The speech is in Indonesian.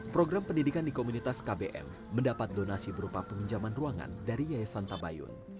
program pendidikan di komunitas kbm mendapat donasi berupa peminjaman ruangan dari yayasan tabayun